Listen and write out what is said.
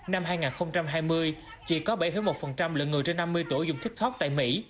năm hai nghìn hai mươi chỉ có bảy một lượng người trên năm mươi tuổi dùng tiktok tại mỹ